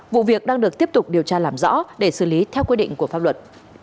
vụ việc đang được tiếp tục điều tra làm rõ để xử lý theo quy định của pháp luật